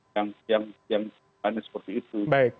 yang hanya seperti itu